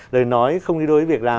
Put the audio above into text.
lời nói không đi đôi với việc làm